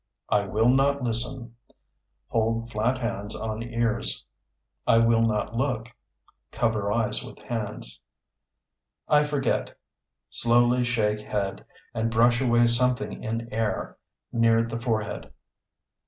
I will not listen (Hold flat hands on ears). I will not look (Cover eyes with hands). I forget (Slowly shake head, and brush away something in air, near the forehead).